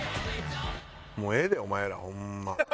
もうええでお前らホンマ。